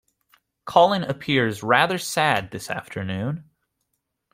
Colin appears rather sad this afternoon